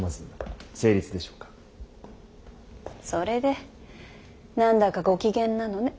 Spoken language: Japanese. それで何だかご機嫌なのね。